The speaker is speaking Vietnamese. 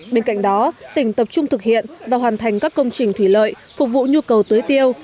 bên cạnh đó tỉnh tập trung thực hiện và hoàn thành các công trình thủy lợi phục vụ nhu cầu tưới tiêu